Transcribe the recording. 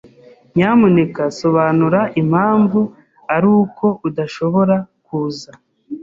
Nyamuneka sobanura impamvu ari uko udashobora kuza.